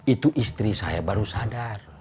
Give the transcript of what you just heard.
itu istri saya baru sadar